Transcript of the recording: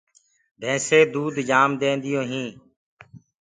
ڀيسينٚ دود جآم دينديو هينٚ۔